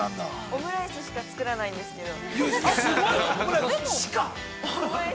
◆オムライスしか作らないんですけど。